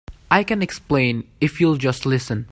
I can explain if you'll just listen.